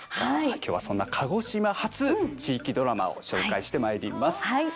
今日はそんな「鹿児島発地域ドラマ」を紹介してまいります。